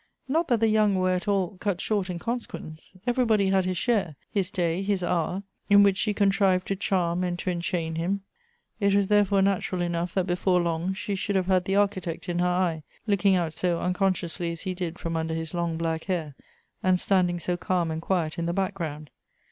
Not that the young were at all cut short in consequence. Everybody had his share, his day his hour, in which she contrived to charm and to enchain him. It was therefore natural enough that before long she should have had the Architect in her eye, looking out so unconsciously as he did from under his long black hair, and standing so calm and quiet in the back ground.